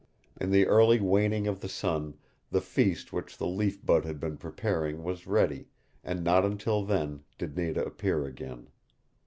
In the early waning of the sun the feast which the Leaf Bud had been preparing was ready, and not until then did Nada appear again.